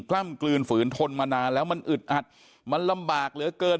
ล้ำกลืนฝืนทนมานานแล้วมันอึดอัดมันลำบากเหลือเกิน